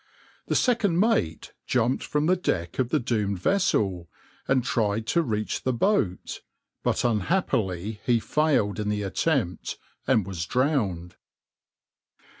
The second mate jumped from the deck of the doomed vessel, and tried to reach the boat, but unhappily he failed in the attempt, and was drowned.